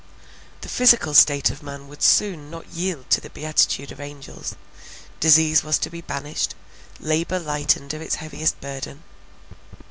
The physical state of man would soon not yield to the beatitude of angels; disease was to be banished; labour lightened of its heaviest burden.